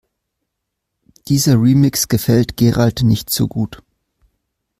Dieser Remix gefällt Gerald nicht so gut.